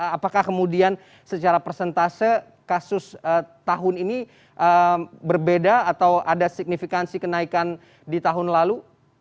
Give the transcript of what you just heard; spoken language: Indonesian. apakah kemudian secara persentase kasus tahun ini berbeda atau ada signifikansi kenaikan di tahun lalu